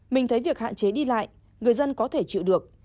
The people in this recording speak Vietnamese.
mình thấy việc hạn chế đi lại người dân có thể chịu được